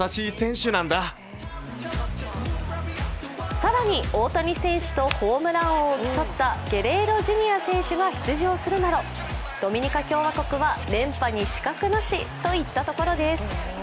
更に大谷選手とホームラン王を競ったゲレーロ・ジュニア選手が出場するなどドミニカ共和国は連覇に死角なしといったところです。